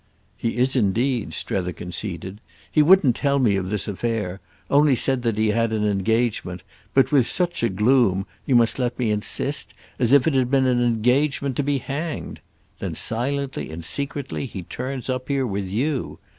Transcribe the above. "He is indeed," Strether conceded. "He wouldn't tell me of this affair—only said he had an engagement; but with such a gloom, you must let me insist, as if it had been an engagement to be hanged. Then silently and secretly he turns up here with you.